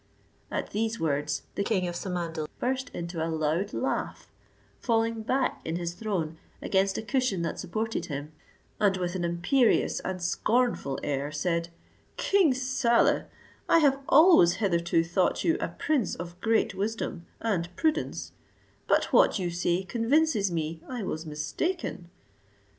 At these words the king of Samandal burst into a loud laugh, falling back in his throne against a cushion that supported him, and with an imperious and scornful air, said, "King Saleh, I have always hitherto thought you a prince of great wisdom, and prudence; but what you say convinces me I was mistaken.